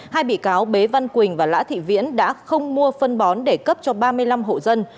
hai bị cáo bế văn quỳnh và lã thị viễn đã không mua phân bón để cấp cho ba mươi năm hộ dân